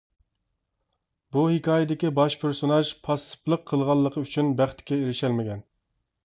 بۇ ھېكايىدىكى باش پېرسوناژ پاسسىپلىق قىلغانلىقى ئۈچۈن بەختكە ئېرىشەلمىگەن.